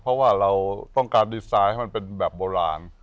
เพราะว่าเราต้องการดีไซน์ให้มันเป็นแบบโบราณ